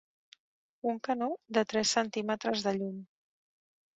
Un canó de tres centímetres de llum.